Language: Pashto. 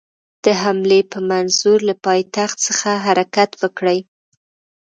د حملې په منظور له پایتخت څخه حرکت وکړي.